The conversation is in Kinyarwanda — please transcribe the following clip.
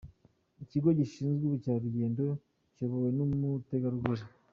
Ikigo gishinzwe ubukerarugendo kiyobowe n'umutegarugori.